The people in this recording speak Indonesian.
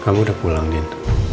kamu udah pulang din